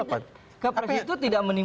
pak presiden itu